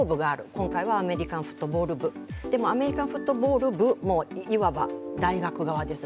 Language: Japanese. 今回はアメリカンフットボール部、でもアメリカンフットボール部もいわば大学側です。